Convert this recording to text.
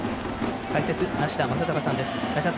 解説・梨田昌孝さんです。